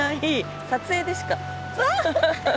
撮影でしか。